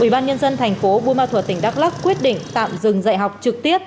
ủy ban nhân dân thành phố buôn ma thuật tỉnh đắk lắc quyết định tạm dừng dạy học trực tiếp